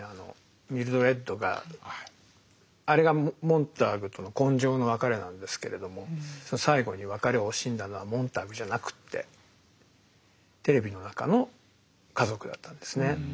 ミルドレッドがあれがモンターグとの今生の別れなんですけれども最後に別れを惜しんだのはモンターグじゃなくってテレビの中の「家族」だったんですね。